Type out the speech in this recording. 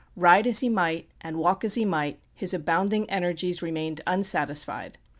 Ride as he might, and walk as he might, his abounding energies remained unsatisfied.